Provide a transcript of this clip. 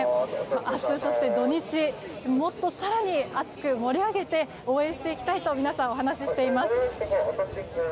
明日、そして土日もっと更に熱く盛り上げて応援していきたいと皆さんお話ししています。